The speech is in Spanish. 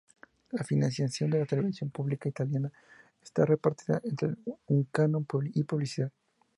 La financiación de la televisión pública italiana está repartida entre un canon y publicidad.